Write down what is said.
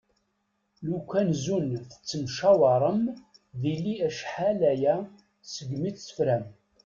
Lukan zun tettemcawarem, dili acḥal-aya segmi tt-tefram.